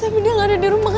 tapi dia gak ada di rumah